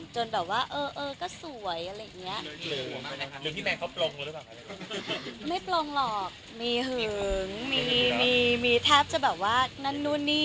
จนแบบว่าเออเออก็สวยอะไรอย่างเงี้ยหรือพี่แมนเขาปลงหรือเปล่าไม่ปลงหรอกมีหึงมีมีมีมีทับจะแบบว่านั้นนู่นนี่